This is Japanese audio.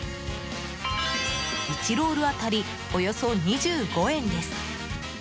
１ロール当たりおよそ２５円です。